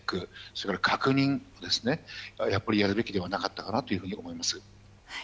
それから確認をやるべきではなかったかなというふうに思います。